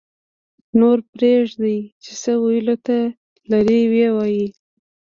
-نور پرېږدئ چې څه ویلو ته لري ویې وایي